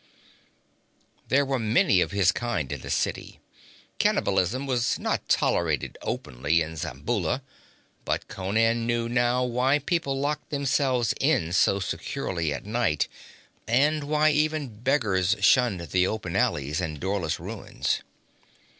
There were many of his kind in the city. Cannibalism was not tolerated openly in Zamboula. But Conan knew now why people locked themselves in so securely at night, and why even beggars shunned the open alleys and doorless ruins.